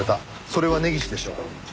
それは根岸でしょう。